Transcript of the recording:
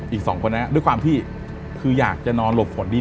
อีกสองคนนั้นด้วยความที่คืออยากจะนอนหลบฝนดี